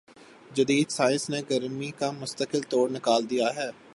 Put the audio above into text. جدید سائنس نے گرمی کا مستقل توڑ نکال دیا ہے